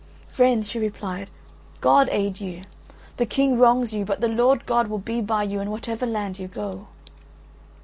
"Friend," she replied, "God aid you! The King wrongs you but the Lord God will be by you in whatever land you go."